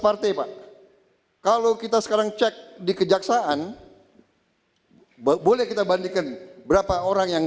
partai pak kalau kita sekarang cek di kejaksaan boleh kita bandingkan berapa orang yang